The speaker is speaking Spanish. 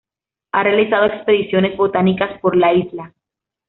Ha realizado expediciones botánicas por la isla.